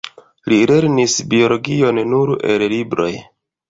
Li lernis biologion nur el libroj.